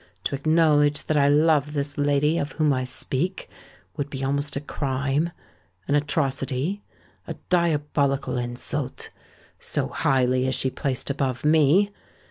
To acknowledge that I love this lady of whom I speak, would be almost a crime—an atrocity—a diabolical insult,—so highly is she placed above me!